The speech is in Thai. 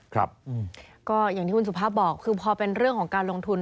ครับก็อย่างที่คุณสุภาพบอกคือพอเป็นเรื่องของการลงทุน